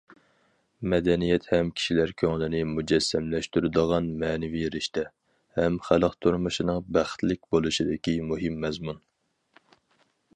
مەدەنىيەت ھەم كىشىلەر كۆڭلىنى مۇجەسسەملەشتۈرىدىغان مەنىۋى رىشتە، ھەم خەلق تۇرمۇشىنىڭ بەختلىك بولۇشىدىكى مۇھىم مەزمۇن.